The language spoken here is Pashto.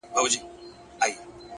• زه يې د نوم تر يوه ټكي صدقه نه سومه؛